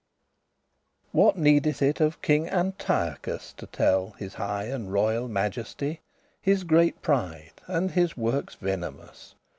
What needeth it of king ANTIOCHUS <20> To tell his high and royal majesty, His great pride, and his workes venomous?